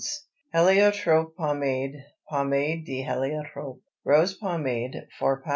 HELIOTROPE POMADE (POMADE DE HÉLIOTROPE). Rose pomade 4 lb.